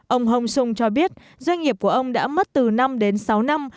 ông hồng sung cho biết doanh nghiệp của ông đã mất từ năm đến sáu năm